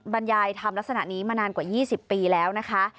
บรรยายทำลักษณะนี้มานานกว่า๒๐ปีแล้วนะคะ